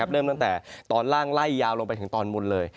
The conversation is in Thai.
เริ่มตั้งแต่ตอนล่างไล่ยาวลงไปถึงตอนบนเลย